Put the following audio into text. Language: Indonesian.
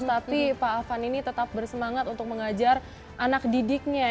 tapi pak afan ini tetap bersemangat untuk mengajar anak didiknya